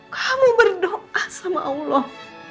kamu berdoa sama allah